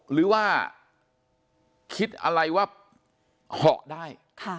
หรือว่าคิดอะไรว่าเหาะได้